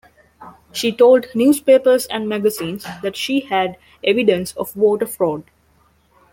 She told newspapers and magazines that she had evidence of voter fraud.